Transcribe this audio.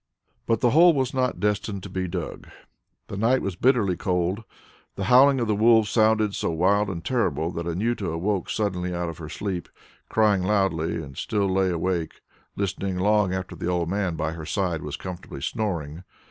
But the hole was not destined to be dug. The night was bitterly cold. The howling of the wolves sounded so wild and terrible that Anjuta awoke suddenly out of her sleep, crying loudly, and still lay awake listening long after the old man by her side was comfortably snoring.